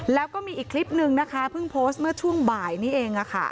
แล้วก็มีอีกคลิปนึงนะคะเพิ่งโพสต์เมื่อช่วงบ่ายนี้เอง